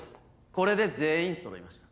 これで全員そろいました。